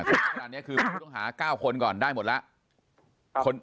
อ่าอันนี้คือต้องหา๙คนก่อนได้หมดแล้ว